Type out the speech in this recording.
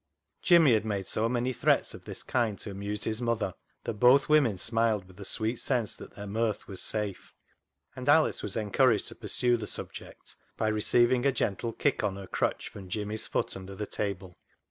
Jimmy had made so many threats of this kind to amuse his mother that both women smiled with a sweet sense that their mirth was safe, and Alice was encouraged to pursue the subject by receiving a gentle kick on her crutch from Jimmy's foot under the table.